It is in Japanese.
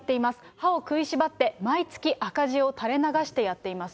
歯を食いしばって、毎月赤字を垂れ流してやっています。